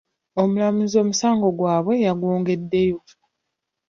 Omulamuzi omusango gwabwe yagwongeddeyo.